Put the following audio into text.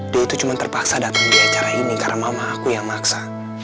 dia itu cuma terpaksa datang di acara ini karena mama aku yang maksa